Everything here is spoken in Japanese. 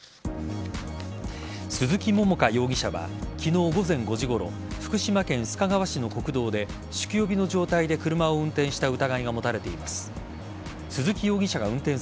鈴木桃佳容疑者は昨日午前５時ごろ福島県須賀川市の国道で酒気帯びの状態で車を運転した疑いが持たれています。